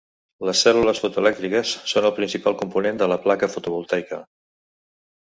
Les cèl·lules fotoelèctriques són el principal component de la placa fotovoltaica.